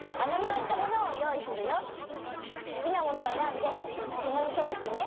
すきなものをえらんでひもにとおしてね。